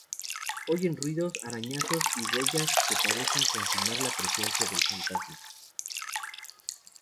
Oyen ruidos, arañazos y huellas que parecen confirmar la presencia del fantasma.